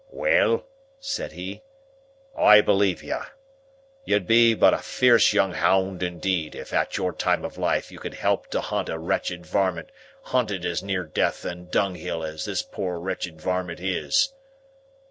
"Well," said he, "I believe you. You'd be but a fierce young hound indeed, if at your time of life you could help to hunt a wretched warmint hunted as near death and dunghill as this poor wretched warmint is!"